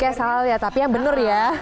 kayak salah ya tapi yang bener ya